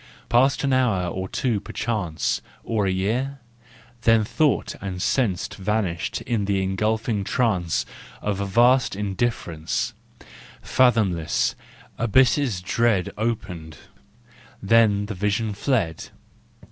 Passed an hour or two perchance, Or a year ? then thought and sense Vanished in the engulfing trance Of a vast Indifference. Fathomless, abysses dread Opened—then the vision fled.